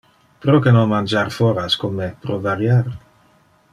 Proque non mangiar foras con me pro variar?